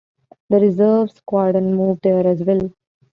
The reserve squadron moved there as well.